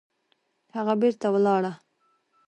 هغه بېرته ولاړه